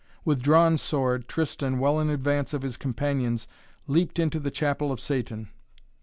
With drawn sword Tristan, well in advance of his companions, leaped into the chapel of Satan.